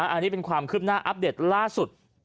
อันนี้เป็นความคืบหน้าอัปเดตล่าสุด